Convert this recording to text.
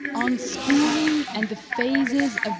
ON SCHOOLING AND THE PHASES OF MR.